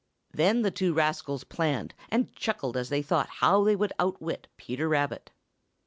Then the two rascals planned, and chuckled as they thought how they would outwit Peter Rabbit.